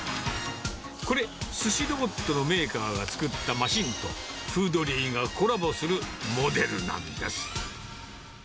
これ、すしロボットのメーカーが作ったマシンと、フードリーがコラボするモデルなんです。